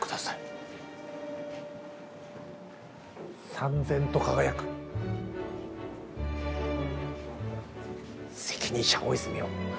燦然と輝く責任者大泉洋。